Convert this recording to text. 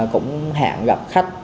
cũng hẹn gặp khách